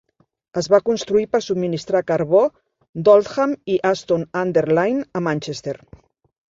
Es va construir per subministrar carbó d'Oldham i Ashton-under-Lyne a Manchester.